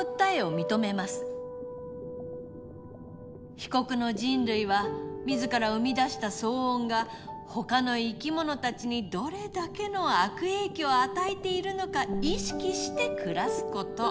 被告の人類は自ら生み出した騒音がほかの生き物たちにどれだけの悪影響を与えているのか意識して暮らすこと。